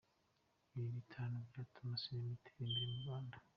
Ibintu bitanu byatuma sinema itera imbere mu Rwanda